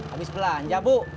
habis belanja bu